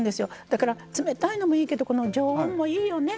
だから冷たいのもいいけどこの常温もいいよね